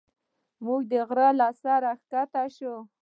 موږ د غره له سره ښکته شوو.